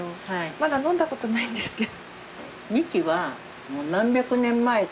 まだ飲んだことないんですけど。